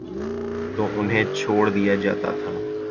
تو انہیں چھوڑ دیا جاتا تھا۔